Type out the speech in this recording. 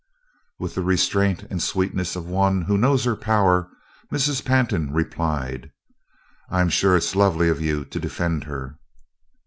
With the restraint and sweetness of one who knows her power, Mrs. Pantin replied: "I'm sure it's lovely of you to defend her."